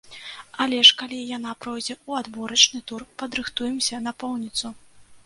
Але ж калі яна пройдзе ў адборачны тур, падрыхтуемся напоўніцу.